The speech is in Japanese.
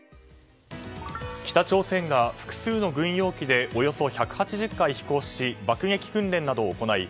北朝鮮が複数の軍用機でおよそ１８０回飛行し爆撃訓練などを行い